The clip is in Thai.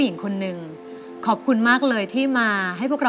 ขอจองในจ่ายของคุณตะกะแตนชลดานั่นเองนะครับ